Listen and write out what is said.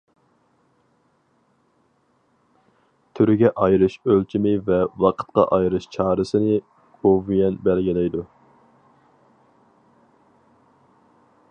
تۈرگە ئايرىش ئۆلچىمى ۋە ۋاقىتقا ئايرىش چارىسىنى گوۋۇيۈەن بەلگىلەيدۇ.